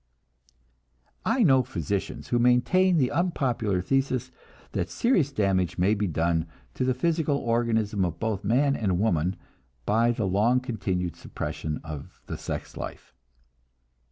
I know physicians who maintain the unpopular thesis that serious damage may be done to the physical organism of both man and woman by the long continued suppression of the sex life.